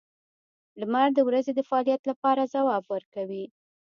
• لمر د ورځې د فعالیت لپاره ځواب ورکوي.